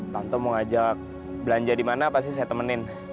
tante mau ajak belanja di mana pasti saya temenin